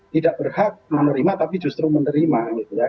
tidak berhak menerima tapi justru menerima gitu ya